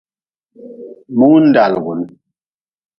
Mundalugun.